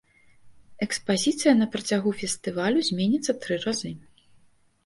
Экспазіцыя на працягу фестывалю зменіцца тры разы.